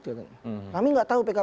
kami nggak tahu pkpu kami